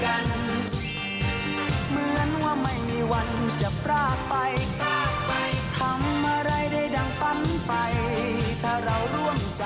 ทำอะไรได้ดังปั้นไปถ้าเราร่วมใจ